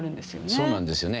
そうなんですよね。